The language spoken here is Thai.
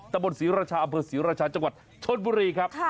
บนศรีราชาอำเภอศรีราชาจังหวัดชนบุรีครับ